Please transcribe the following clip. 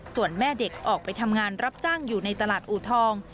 ส่วนแม่เด็กออกไปทำงานรับจ้างอยู่ในตลาดอูทอง